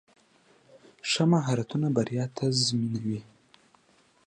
ښه مهارتونه بریا تضمینوي.